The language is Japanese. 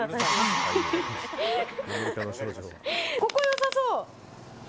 ここ良さそう！